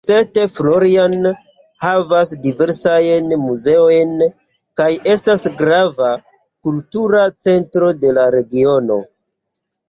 St. Florian havas diversajn muzeojn kaj estas grava kultura centro de la regiono.